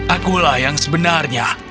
akulah yang sebenarnya